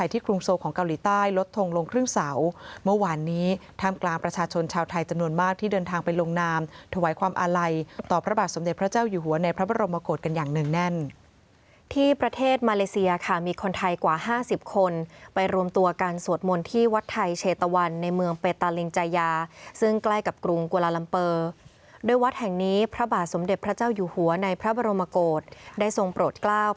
ถวายความอาลัยต่อพระบาทสมเด็จพระเจ้าอยู่หัวในพระบรมโกรธกันอย่างหนึ่งแน่นที่ประเทศมาเลเซียค่ะมีคนไทยกว่าห้าสิบคนไปรวมตัวการสวดมนตร์ที่วัดไทเชตวันในเมืองเปตาลิงจายาซึ่งใกล้กับกรุงกุลาลัมเปอร์ด้วยวัดแห่งนี้พระบาทสมเด็จพระเจ้าอยู่หัวในพระบรมโกรธได้ทรงโปรดกล